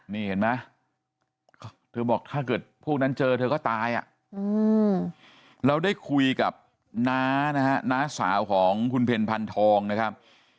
นี่เห็นไหมเธอบอกถ้าเกิดพวกนั้นเจอเธอก็ตายอ่ะเราได้คุยกับน้านะฮะน้าสาวของคุณเพ็ญพันธองนะครับ